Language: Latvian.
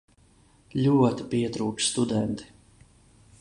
Ļoti pietrūka studenti.